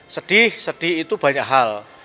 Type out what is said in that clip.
sedih sedih itu banyak hal